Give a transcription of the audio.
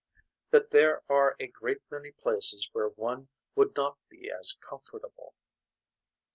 That there are a great many places where one would not be as comfortable.